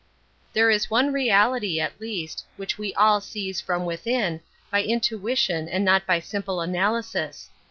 There is one reality, at least, which we \ all seize from within, by intuition and not by simple analysis.